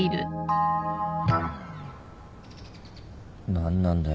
何なんだよ